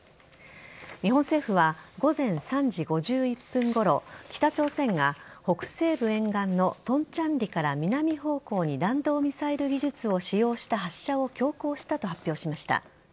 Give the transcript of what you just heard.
日本政府は午前３時５１分ごろ北朝鮮が北西部沿岸のトンチャンリから南方向に弾道ミサイル技術を使用した発射を強行したと発表しました。